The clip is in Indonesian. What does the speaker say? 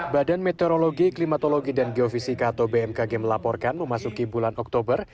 badan meteorologi klimatologi dan geofisika atau bmkg melaporkan memasuki bulan oktober